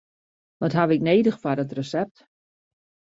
Wat haw ik nedich foar it resept?